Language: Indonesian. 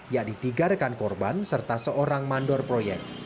yakni tiga rekan korban serta seorang mandor proyek